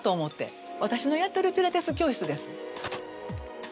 私のやってるピラティス教室です。